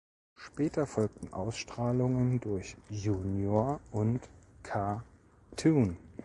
Später folgten Ausstrahlungen durch Junior und K-Toon.